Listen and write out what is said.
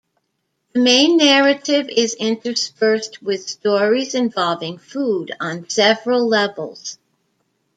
The main narrative is interspersed with stories involving food on several levels.